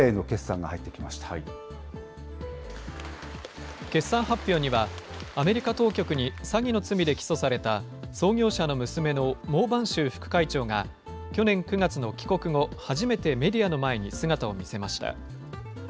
決算発表には、アメリカ当局に詐欺の罪で起訴された創業者の娘の孟晩舟副会長が、去年９月の帰国後、初めてメディアの前に姿を見せました。